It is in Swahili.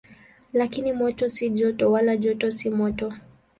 Lakini moto si joto, wala joto si moto.